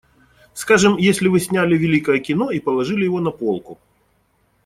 Скажем, если вы сняли великое кино и положили его на полку.